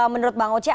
menurut bang oce